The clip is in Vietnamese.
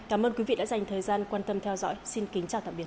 cảm ơn quý vị đã dành thời gian quan tâm theo dõi xin kính chào tạm biệt